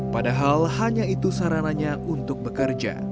padahal hanya itu sarananya untuk bekerja